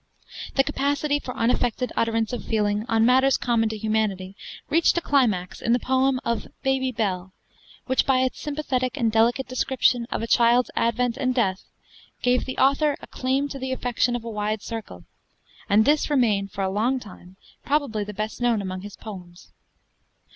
The capacity for unaffected utterance of feeling on matters common to humanity reached a climax in the poem of 'Baby Bell,' which by its sympathetic and delicate description of a child's advent and death gave the author a claim to the affection^ of a wide circle; and this remained for a long time probably the best known among his poems.